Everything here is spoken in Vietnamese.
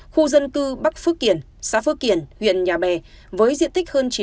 khu dân cư bắc phước kiển xã phước kiển huyện nhà bè với diện tích hơn chín mươi ha